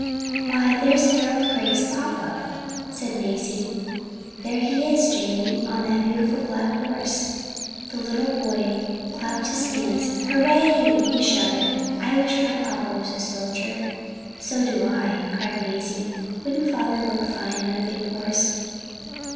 "Why, there's Harold Gray's papa!" said Mazie. "There he is, Jamie, on that beautiful black horse." The little boy clapped his hands. "Hurray!" he shouted; "I wish my papa was a soldier." "So do I," cried Mazie; "wouldn't father look fine on a big horse?"